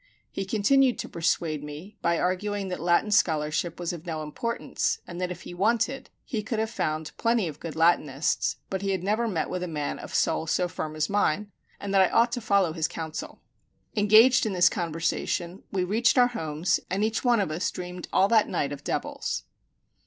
He continued to persuade me by arguing that Latin scholarship was of no importance, and that if he wanted, he could have found plenty of good Latinists; but that he had never met with a man of soul so firm as mine, and that I ought to follow his counsel. Engaged in this conversation, we reached our homes, and each one of us dreamed all that night of devils.